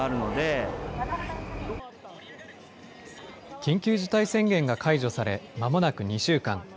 緊急事態宣言が解除され、まもなく２週間。